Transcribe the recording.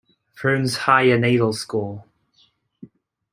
Frunze Higher Naval School.